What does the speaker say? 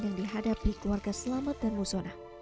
yang dihadapi keluarga selamat dan musona